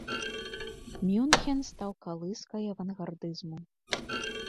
Мюнхен стаў калыскай авангардызму.